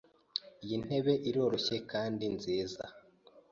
Iyi ntebe iroroshye kandi nziza.